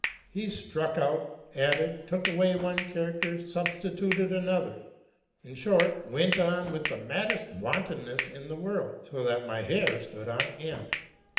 He struck out, added, took away one character, substituted another, — in short, went on with the maddest wantonness in the world, so that my hair stood on end.